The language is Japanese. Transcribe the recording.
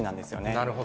なるほど。